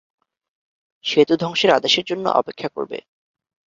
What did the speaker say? সেতু ধ্বংসের আদেশের জন্য অপেক্ষা করবে।